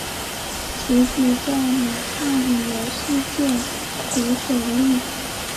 此举在美少女游戏界属首例。